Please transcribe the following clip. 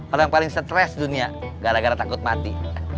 orang paling stres dunia gara gara takut mati